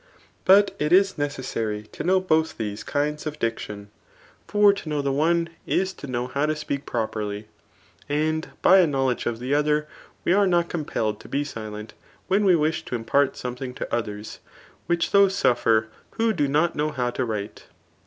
But it is necessary to know both these kinds of dic tion. For to know the one^ is to know how to speak properly ; and by a knowledge of the other, we are not compelled to be silent, when we wish to impart scmxe* thing to others, which those suffer who do not know how to write.